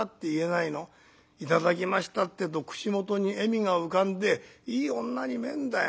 『頂きました』って言うと口元に笑みが浮かんでいい女に見えんだよ。